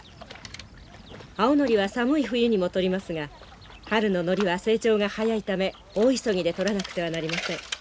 青ノリは寒い冬にも採りますが春のノリは成長が早いため大急ぎで採らなくてはなりません。